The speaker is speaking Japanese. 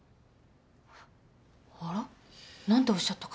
あら何ておっしゃったかしら。